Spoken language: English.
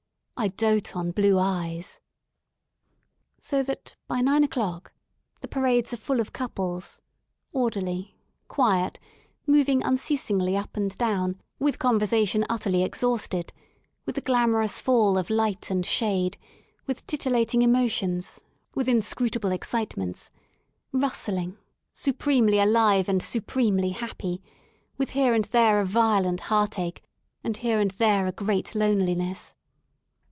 ''*' I dote on blue eyes ." 140 LONDON AT LEISURE So that, by nine o'clock, the parades are full of couples, orderly, quiet, moving unceasingly up and down, with conversation utterly exhausted, with the glamorous fall of light and shade, with titillating emo tions, with inscrutable excitements, rustling, supremely alive and supremely happy, with here and there a violent heartache, and here and there a great loneli ness.